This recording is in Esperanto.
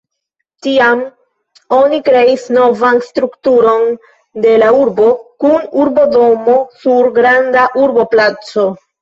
Tiam oni kreis novan strukturon de la urbo kun urbodomo sur granda urboplaco.